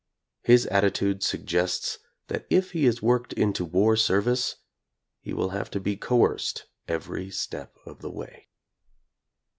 His attitude suggests that if he is worked into war service, he will have to be corerced every step of the way.